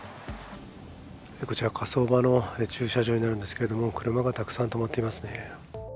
こちら、火葬場の駐車場になるんですけど車がたくさんとまっていますね。